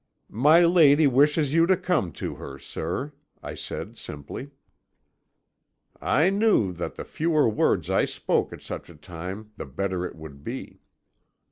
"'My lady wishes you to come to her, sir,' I said simply. "I knew that the fewer words I spoke at such a time the better it would be.